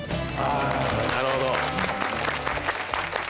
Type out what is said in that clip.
なるほど。